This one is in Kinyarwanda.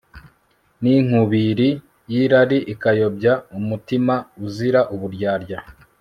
n'inkubiri y'irari ikayobya umutima uzira uburyarya